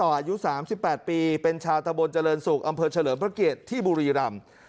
อายุ๓๘ปีเป็นชาวตะบนเจริญศุกร์อำเภอเฉลิมพระเกียรติที่บุรีรำ